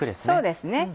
そうです。